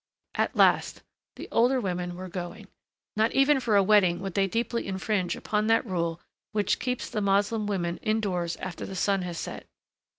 At last! The older women were going. Not even for a wedding would they deeply infringe upon that rule which keeps the Moslem women indoors after the sun has set.